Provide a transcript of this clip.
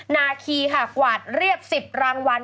นาคีค่ะกวาดเรียบ๑๐รางวัล